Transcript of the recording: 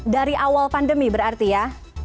dari awal pandemi berarti ya